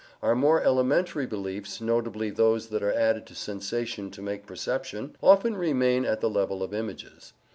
Our more elementary beliefs, notably those that are added to sensation to make perception, often remain at the level of images.